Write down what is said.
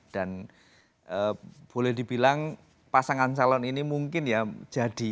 dan boleh dibilang pasangan salon ini mungkin ya jadi